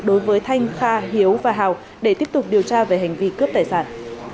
đối với thanh kha hiếu và hào để tiếp tục điều tra về hành vi cướp tài sản